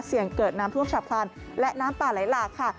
เกิดน้ำท่วมฉับพลันและน้ำป่าไหลหลากค่ะ